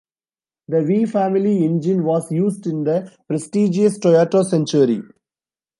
The V family engine was used in the prestigious Toyota Century.